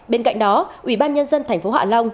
bên cạnh đó ủy ban nhân dân thành phố hạ long